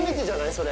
それ。